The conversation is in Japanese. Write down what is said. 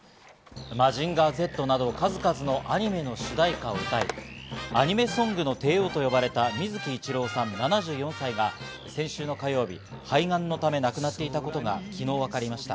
『マジンガーＺ』など数々のアニメの主題歌を歌い、アニメソングの帝王と呼ばれた水木一郎さん、７４歳が先週火曜日、肺がんのため亡くなっていたことが昨日分かりました。